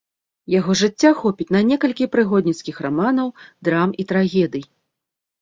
Яго жыцця хопіць на некалькі прыгодніцкіх раманаў, драм і трагедый.